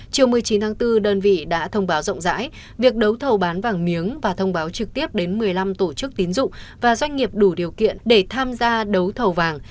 chiều một mươi chín tháng bốn đơn vị đã thông báo rộng rãi việc đấu thầu bán vàng miếng và thông báo trực tiếp đến một mươi năm tổ chức tín dụng và doanh nghiệp đủ điều kiện để tham gia đấu thầu vàng